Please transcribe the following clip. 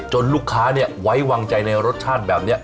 จนลูกค้าเนี่ยไว้วางใจในรสชาติแบบเนี้ย